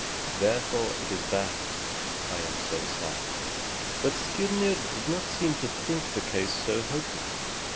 Therefore is it that I am so sad." But Skirnir did not seem to think the case so hopeless.